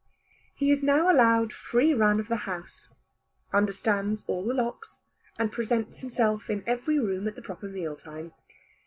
He is now allowed free run of the house, understands all the locks, and presents himself in every room at the proper meal time.